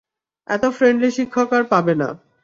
এত ফ্রেন্ডলি শিক্ষক আর পাবে না।